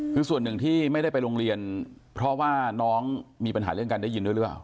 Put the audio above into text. คือส่วนหนึ่งที่ไม่ได้ไปโรงเรียนเพราะว่าน้องมีปัญหาเรื่องการได้ยินด้วยหรือเปล่า